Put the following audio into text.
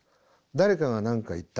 誰かが何か言った。